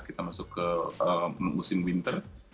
kita masuk ke musim winter